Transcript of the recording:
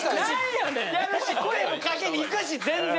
やるし声もかけに行くし全然。